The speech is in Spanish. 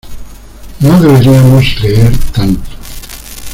No deberíamos leer tanto.